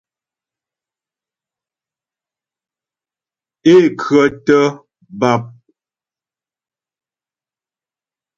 Ě khə́tə̀ bàp.